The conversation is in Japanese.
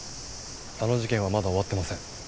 あの事件はまだ終わってません。